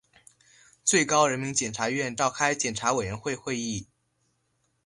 最高人民检察院召开检察委员会会议